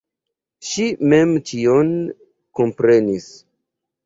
Ŝi mem ĉion komprenis.